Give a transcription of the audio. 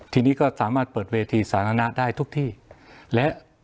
ทีนี้ก็สามารถเปิดเวทีสาธารณะได้ทุกที่และ